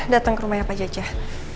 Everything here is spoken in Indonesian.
datang ke rumahnya pak jajah